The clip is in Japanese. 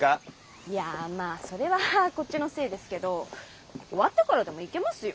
いやまあそれはこっちのせいですけどォ終わってからでも行けますよ。